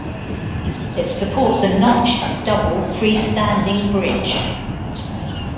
It supports a notched double free-standing bridge.